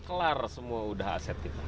kelar semua aset kita